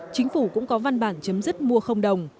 chính phủ cũng có văn bản chấm dứt mua không đồng